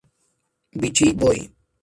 Beechey Voy.